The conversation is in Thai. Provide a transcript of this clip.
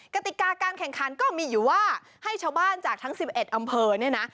กติกาการแข่งขันก็มีอยู่ว่าให้ชาวบ้านจากทั้ง๑๑อำเภอเนี่ยนะ